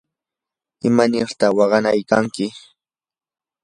¿imarta waqanaykanki?